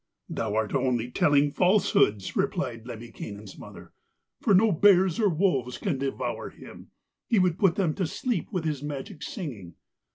'Thou art only telling falsehoods,' replied Lemminkainen's mother, 'for no bears or wolves can devour him; he would put them to sleep with his magic singing.